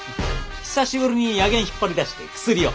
久しぶりに薬研引っ張り出して薬を。